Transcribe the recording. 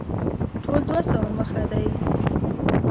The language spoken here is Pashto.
ټول دوه سوه مخه دی.